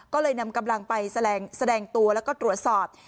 ก็เลยนำกำลังไปแสดงตัวแล้วก็ตรวจสอบ